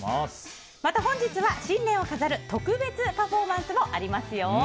また、本日は新年を飾る特別パフォーマンスもありますよ。